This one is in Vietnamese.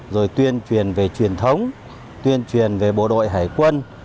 rồi tuyên truyền về truyền thống tuyên truyền về bộ đội hải quân